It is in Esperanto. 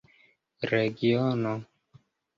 regiono